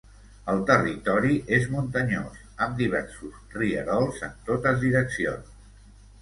El territori és muntanyós amb diversos rierols en totes direccions.